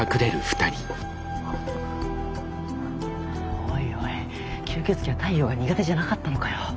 おいおい吸血鬼は太陽が苦手じゃなかったのかよ。